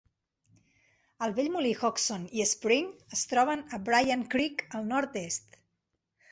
El vell molí Hodgson i Spring es troben a Bryant Creek al nord-est.